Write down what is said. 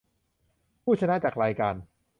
ผู้ชนะจากรายการ